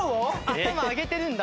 頭上げてるんだ。